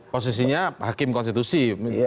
posisinya hakim konstitusi